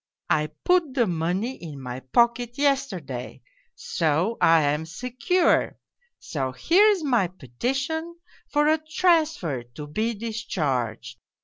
I put the money in my pocket yesterday, so I am secure so here's my petition for a transfer to be discharged.